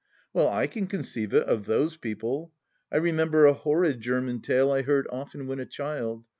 . Well I can conceive it, of those people I I remember a horrid German tale I heard often when a child.